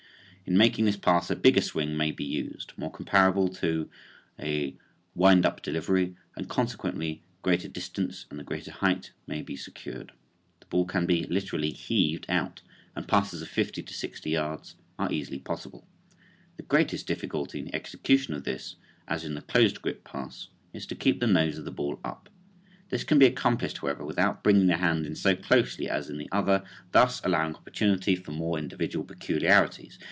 In making this pass a bigger swing may be used, more comparable to a "wind up" delivery, and consequently greater distance and greater height may be secured. The ball can be literally "heaved" out and passes of fifty to sixty yards are easily possible. The greatest difficulty in the execution of this as in the closed grip pass is to keep the nose of the ball up. This can be accomplished, however, without bringing the hand in so closely as in the other, thus allowing opportunity for more individual peculiarities.